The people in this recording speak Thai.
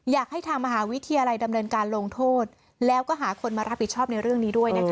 อยากให้ทางมหาวิทยาลัยดำเนินการลงโทษแล้วก็หาคนมารับผิดชอบในเรื่องนี้ด้วยนะคะ